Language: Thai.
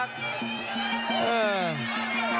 ขวาแยกออกมาอีกครั้งครับ